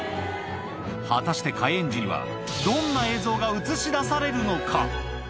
果たして、開園時にはどんな映像が映し出されるのか。